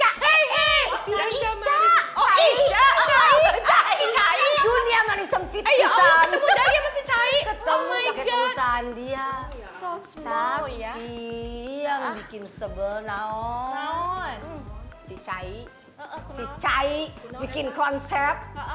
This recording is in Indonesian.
kemudian kita ketemu dengan dia sosial ya bikin sebelah si cahy cahy bikin konsep